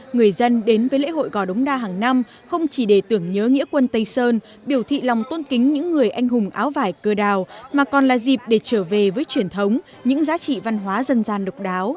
người dân đến với lễ hội gò đống đa hàng năm không chỉ để tưởng nhớ nghĩa quân tây sơn biểu thị lòng tôn kính những người anh hùng áo vải cơ đào mà còn là dịp để trở về với truyền thống những giá trị văn hóa dân gian độc đáo